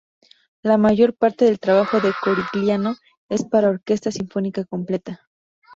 La mayor parte del trabajo de Corigliano es para orquesta sinfónica completa.